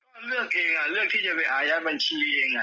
ก็เลือกเองเลือกที่จะไปอายัดบัญชีเอง